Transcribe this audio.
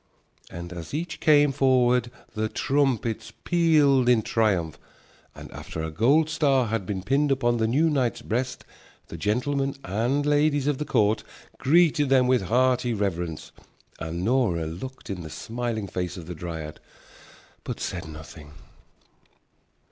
And as each came forward the trumpets pealed in triumph, and after a gold star had been pinned upon the new knight's breast the gentlemen and ladies of the court greeted them with hearty reverence. And Nora looked in the smiling face of the dryad, but said nothing.